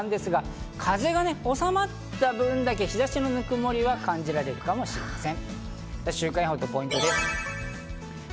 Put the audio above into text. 風が収まった分だけ、日差しのぬくもりは感じられるかもしれません。